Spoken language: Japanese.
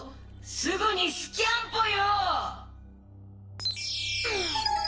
すぐにスキャンぽよ！